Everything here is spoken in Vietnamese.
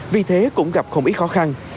vì thế cũng gặp không ít khó khăn